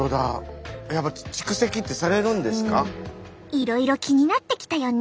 いろいろ気になってきたよね？